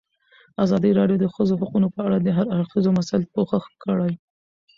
ازادي راډیو د د ښځو حقونه په اړه د هر اړخیزو مسایلو پوښښ کړی.